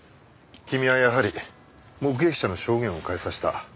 君はやはり目撃者の証言を変えさせた。